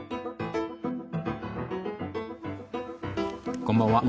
こんばんは。